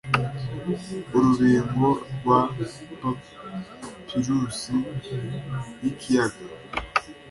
urubingo rwa papirusi yikiyaga